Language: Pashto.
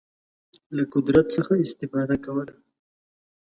له قدرت څخه استفاده کوله.